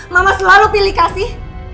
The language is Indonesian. mama selalu pilih kasih